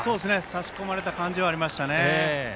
差し込まれた感じはありましたね。